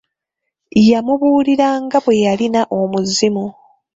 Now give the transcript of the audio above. Yamubuuliranga bwe yalina omuzimu.